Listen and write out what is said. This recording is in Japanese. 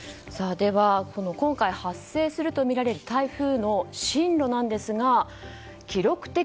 今回発生するとみられる台風の進路ですが記録的